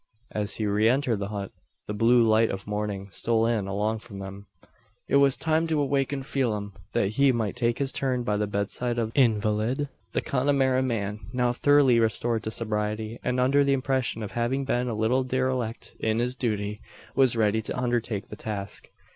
As he re entered the hut, the blue light of morning stole in along with him. It was time to awaken Phelim, that he might take his turn by the bedside of the invalid. The Connemara man, now thoroughly restored to sobriety, and under the impression of having been a little derelict in his duty, was ready to undertake the task.